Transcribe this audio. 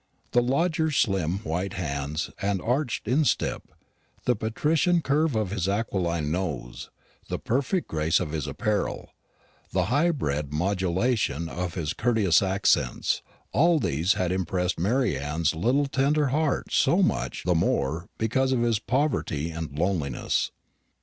The lodger's slim white hands and arched instep, the patrician curve of his aquiline nose, the perfect grace of his apparel, the high bred modulation of his courteous accents, all these had impressed Mary Anne's tender little heart so much the more because of his poverty and loneliness.